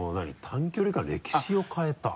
「短距離界の歴史を変えた」？